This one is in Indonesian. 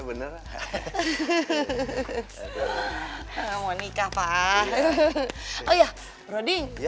yauerdo kan gimana yang kayak aduhmi akhirnya lupa ya nanti nanti aja aja ya